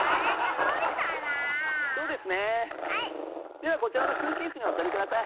ではこちらの空気椅子にお座りください。